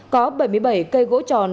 có bảy mươi bảy cây gỗ tròn